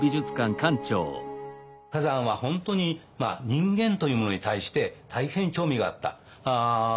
崋山は本当に人間というものに対して大変興味があった。